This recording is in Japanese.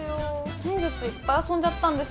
先月いっぱい遊んじゃったんです。